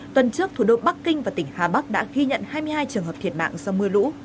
tuần trước thủ đô bắc kinh và tỉnh hà bắc đã ghi nhận hai mươi hai trường hợp thiệt mạng do mưa lũ